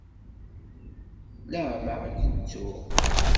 Leɛmeɛ i ken-ttuɣ.